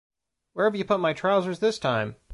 Where've you put my trousers this time?